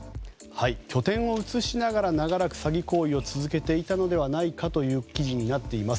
拠点を移しながら長らく詐欺行為を続けていたのではないかという記事になっています。